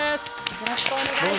よろしくお願いします。